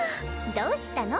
どうしたの？